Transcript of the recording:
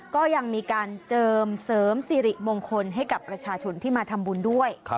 ก็ยังมีการเจิมเสริมสิริมงคลให้กับประชาชนที่มาทำบุญด้วย